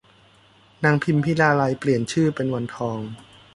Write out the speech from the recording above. นางพิมพิลาไลยเปลี่ยนชื่อเป็นวันทอง